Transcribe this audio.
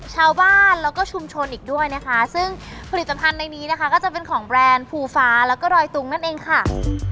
ชาวบ้านแล้วก็ชุมชนอีกด้วยนะคะซึ่งผลิตภัณฑ์ในนี้นะคะก็จะเป็นของแบรนด์ภูฟ้าแล้วก็ดอยตุงนั่นเองค่ะ